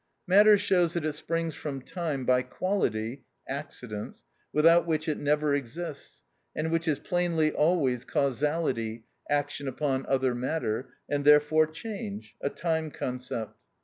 Matter shows that it springs from time by quality (accidents), without which it never exists, and which is plainly always causality, action upon other matter, and therefore change (a time concept).